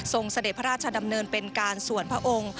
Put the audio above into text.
เสด็จพระราชดำเนินเป็นการส่วนพระองค์